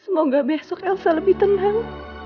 semoga besok elsa lebih tenang